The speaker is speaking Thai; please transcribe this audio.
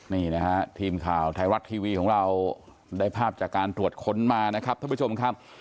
นี่นะฮะทีมข่าวไทยรัฐทีวีของเราได้ภาพจากการตรวจค้นมานะครับท่านผู้ชมครับ